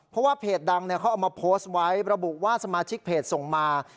เพราะว่าเพจดังเขาเอามาโพสต์ไว้ระบุว่าสมาชิกเพจส่งมา